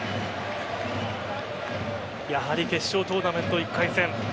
やはり決勝トーナメント１回戦